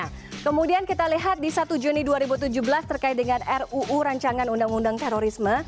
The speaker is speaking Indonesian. nah kemudian kita lihat di satu juni dua ribu tujuh belas terkait dengan ruu rancangan undang undang terorisme